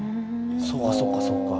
そうかそうかそうか。